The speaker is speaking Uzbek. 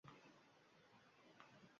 tadbirkor ota-onalardan iborat